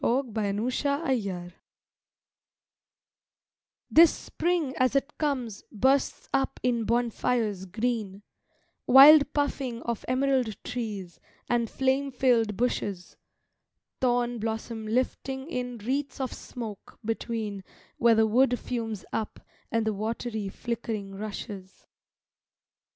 THE ENKINDLED SPRING THIS spring as it comes bursts up in bonfires green, Wild puffing of emerald trees, and flame filled bushes, Thorn blossom lifting in wreaths of smoke between Where the wood fumes up and the watery, flickering rushes.